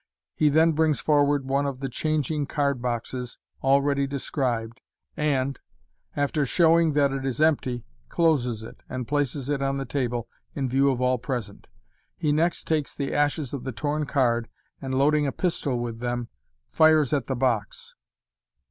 He then brings forward one of the changing card boxes already described, and, after, showing that it is empty, closes it, and places it on the table in view of all present. He next takes the ashes of the torn card, and, loading a pistol with them, fires at the box.